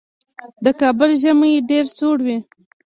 د کابل ژمی ډېر سوړ وي.